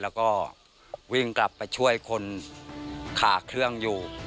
แล้วก็วิ่งกลับไปช่วยคนขาเครื่องอยู่